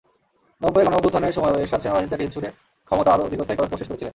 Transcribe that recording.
নব্বইয়ে গণ-অভ্যুত্থানের সময়ও এরশাদ সেনাবাহিনীতে ঢিল ছুড়ে ক্ষমতা আরও দীর্ঘস্থায়ী করার কোশেশ করেছিলেন।